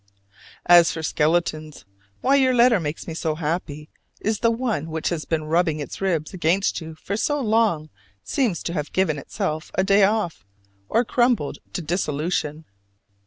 As for skeletons, why your letter makes me so happy is that the one which has been rubbing its ribs against you for so long seems to have given itself a day off, or crumbled to dissolution.